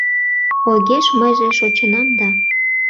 Ойгеш мыйже шочынам да